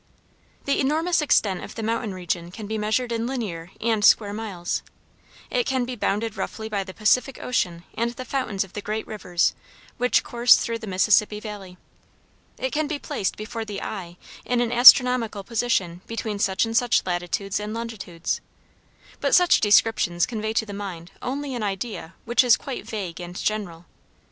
The enormous extent of the mountain region can be measured in linear and square miles; it can be bounded roughly by the Pacific Ocean and the fountains of the great rivers which course through the Mississippi valley; it can be placed before the eye in an astronomical position between such and such latitudes and longitudes, but such descriptions convey to the mind only an idea which is quite vague and general.